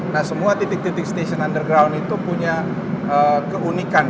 nah semua titik titik stasiun underground itu punya keunikan